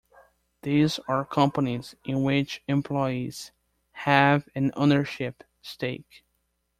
These are companies in which employees have an ownership stake.